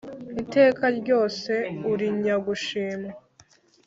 iteka ryose uri nyagushimwa